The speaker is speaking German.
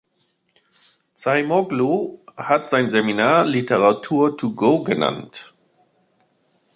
Zaimoglu hat sein Seminar „Literature to go“, genannt.